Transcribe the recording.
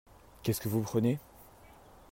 Qu'est-ce que vous prenez ?